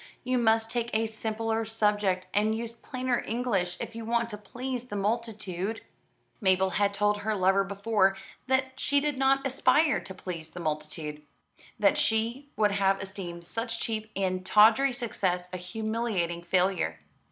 You must take a simpler subject and use plainer English if you want to please the multitude." Mabel had told her lover before that she did not aspire to please the multitude, that she would have esteemed such cheap and tawdry success a humiliating failure.